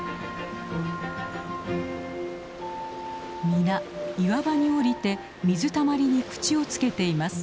皆岩場に降りて水たまりに口をつけています。